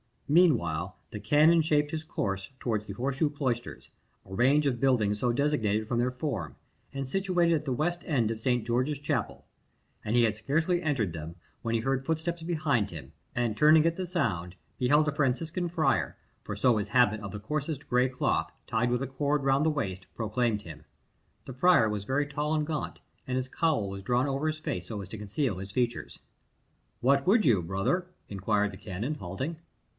Meanwhile, the canon shaped his course towards the Horseshoe Cloisters, a range of buildings so designated from their form, and situated at the west end of St. George's Chapel, and he had scarcely entered them when he heard footsteps behind him, and turning at the sound, beheld a Franciscan friar, for so his habit of the coarsest grey cloth, tied with a cord round the waist, proclaimed him. The friar was very tall and gaunt, and his cowl was drawn over his face so as to conceal his features. "What would you, brother?" inquired the canon, halting.